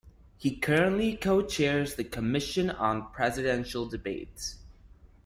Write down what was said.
He currently co-chairs the Commission on Presidential Debates.